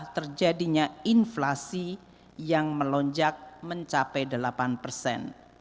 terjadinya inflasi yang melonjak mencapai delapan persen